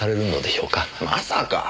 まさか。